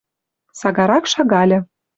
Сагарак шагальы